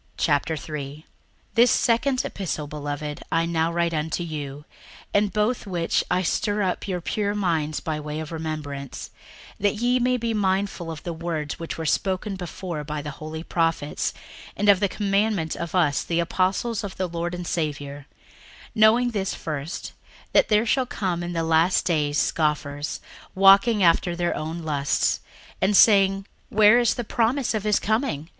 61:003:001 This second epistle, beloved, I now write unto you; in both which I stir up your pure minds by way of remembrance: 61:003:002 That ye may be mindful of the words which were spoken before by the holy prophets, and of the commandment of us the apostles of the Lord and Saviour: 61:003:003 Knowing this first, that there shall come in the last days scoffers, walking after their own lusts, 61:003:004 And saying, Where is the promise of his coming?